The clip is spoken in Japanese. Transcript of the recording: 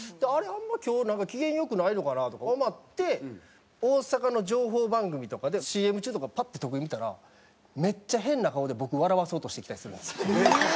あんま今日機嫌良くないのかなとか思って大阪の情報番組とかでＣＭ中とかパッて徳井見たらめっちゃ変な顔で僕を笑わせようとしてきたりするんですよ。